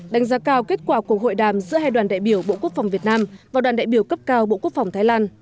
đánh giá cao kết quả cuộc hội đàm giữa hai đoàn đại biểu bộ quốc phòng việt nam và đoàn đại biểu cấp cao bộ quốc phòng thái lan